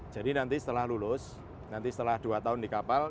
jadi nanti setelah lulus nanti setelah dua tahun di kapal